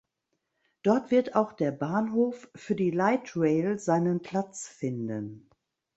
Dort wird auch der Bahnhof für die Light Rail seinen Platz finden.